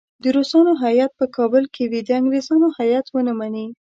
د روسانو هیات په کابل کې وي د انګریزانو هیات ونه مني.